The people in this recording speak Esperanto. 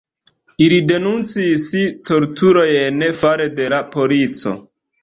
Ili denuncis torturojn fare de la polico.